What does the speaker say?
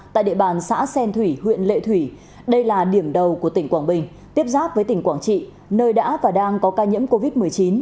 tại địa bàn xã xen thủy huyện lệ thủy đây là điểm đầu của tỉnh quảng bình tiếp giáp với tỉnh quảng trị nơi đã và đang có ca nhiễm covid một mươi chín